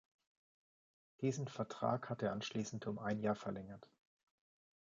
Diesen Vertrag hat er anschließend um ein Jahr verlängert.